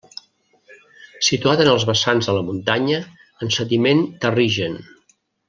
Situat en els vessants de la muntanya, en sediment terrigen.